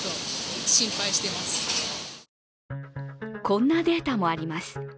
こんなデータもあります。